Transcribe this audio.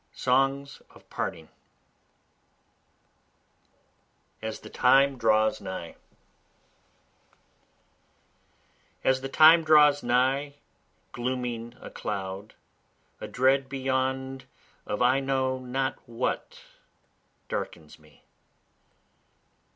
SONGS OF PARTING As the Time Draws Nigh As the time draws nigh glooming a cloud, A dread beyond of I know not what darkens me.